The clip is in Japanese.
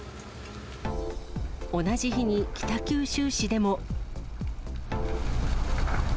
同じ日に北九州市でも。